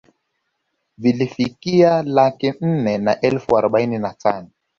Vilifikia laki nne na elfu arobaini na tano